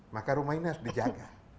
maka rumah ini harus dijaga